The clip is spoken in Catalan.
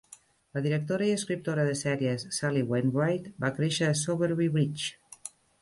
La directora i escriptora de sèries Sally Wainwright va créixer a Sowerby Bridge.